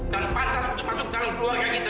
dan pantas untuk masuk dalam keluarga kita